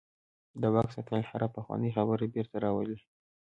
د واک ساتل هره پخوانۍ خبره بیرته راولي.